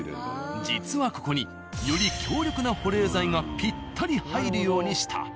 実はここにより強力な保冷剤がピッタリ入るようにした。